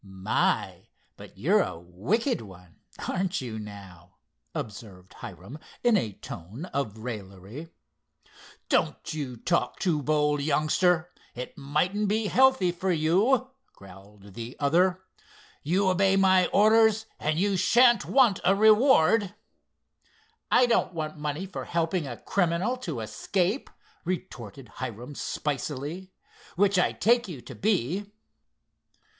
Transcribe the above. "My! but you're a wicked one, aren't you now?" observed Hiram in a tone of raillery. "Don't you talk too bold, youngster—it mightn't be healthy for you," growled the other. "You obey my orders and you shan't want a reward." "I don't want money for helping a criminal to escape," retorted Hiram spicily—"which I take you to be."